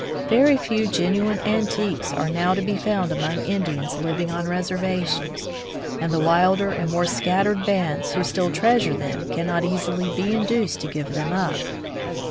Very few genuine antiques are now to be found among Indians living on reservations, and the wilder and more scattered bands who still treasure them can not easily be induced to give them up.